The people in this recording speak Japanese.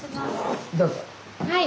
はい。